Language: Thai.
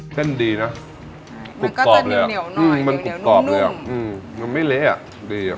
เส้นดีนะกรุบกรอบเลยมันก็จะเนียวหน่อยเนียวนุ่มมันกรุบกรอบเลยอ่ะมันไม่เละดีอ่ะ